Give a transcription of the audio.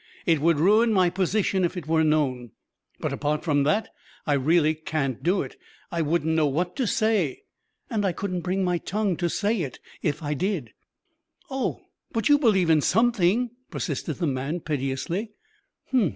It would ruin my position if it were known. But apart from that, I really can't do it. I wouldn't know what to say, and I couldn't bring my tongue to say it if I did." "Oh, but you believe in something?" persisted the man piteously.